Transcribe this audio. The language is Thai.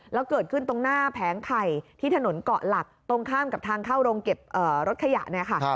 แล้วเกิดขึ้นตรงหน้าแผงไข่ที่ถนนเกาะหลักตรงข้ามกับทางเข้าโรงเก็บรถขยะเนี่ยค่ะ